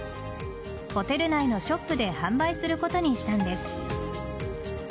ホテル内のショップで販売することにしたんです。